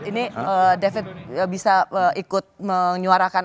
ini david bisa ikut menyuarakan